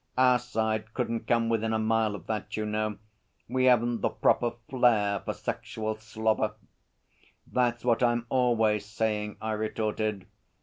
Our side couldn't come within a mile of that, you know. We haven't the proper flair for sexual slobber.' 'That's what I'm always saying,' I retorted.